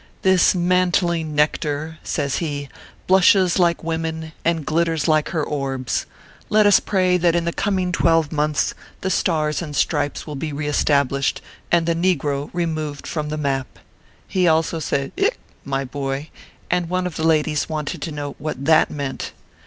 This mantling nectar/ says he, "blushes like women and glitters like her orbs. Let us pray that in the coming twelve months, the stars and stripes will be re established, and the negro removed from the map." He also said hie, my boy ; and one of the ladies wanted to know what that meant